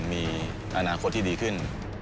มีอนาคตที่ดีขึ้น